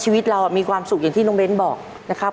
ชีวิตเรามีความสุขอย่างที่น้องเบ้นบอกนะครับ